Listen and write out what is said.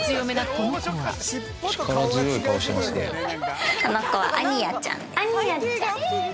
この子はアニヤちゃんです。